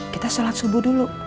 kita sholat subuh dulu